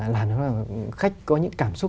làm cho khách có những cảm xúc